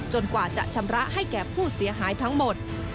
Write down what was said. กว่าจะชำระให้แก่ผู้เสียหายทั้งหมด